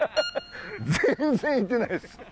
全然行ってないっす。